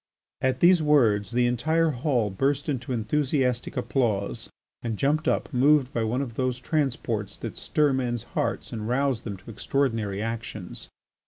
At these words the entire hall burst into enthusiastic applause and jumped up, moved by one of those transports that stir men's hearts and rouse them to extraordinary actions.